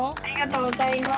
ありがとうございます。